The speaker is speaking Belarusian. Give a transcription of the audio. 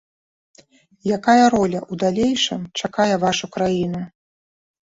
Якая роля ў далейшым чакае вашу краіну?